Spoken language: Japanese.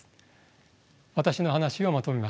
私の話をまとめます。